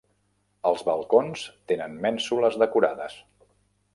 Els balcons tenen mènsules decorades.